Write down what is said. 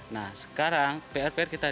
nah sekarang prpr kita diperoleh